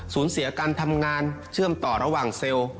สูญเสียการทำงานเชื่อมต่อระหว่างเซลล์